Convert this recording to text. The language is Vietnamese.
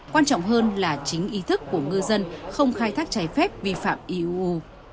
quan trọng hơn là chính ý thức của ngư dân không khai thác trái phép vi phạm iuu